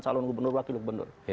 calon gubernur wakil gubernur